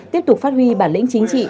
tiếp tục phát huy bản lĩnh chính trị